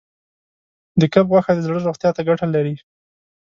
د کب غوښه د زړه روغتیا ته ګټه لري.